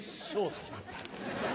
始まった。